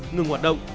ngừng hoạt động